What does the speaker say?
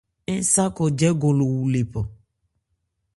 Aán sa n khɔ́ jɛ́gɔn nò wú lephan.